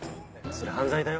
それ犯罪だよ。